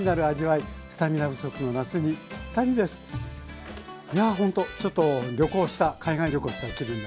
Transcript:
いやほんとちょっと旅行した海外旅行した気分に。